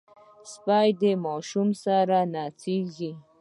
سپي د ماشوم سره نڅېږي.